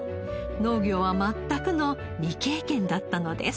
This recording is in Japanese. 農業は全くの未経験だったのです。